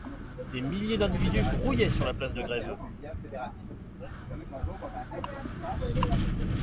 Des milliers d'individus grouillaient sur la place de Grève.